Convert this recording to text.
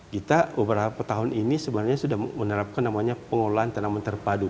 kita beberapa tahun ini sebenarnya sudah menerapkan namanya pengolahan tanaman terpadu